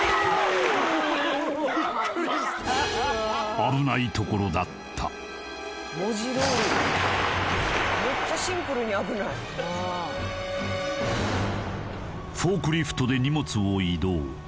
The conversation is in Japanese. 危ないところだったフォークリフトで荷物を移動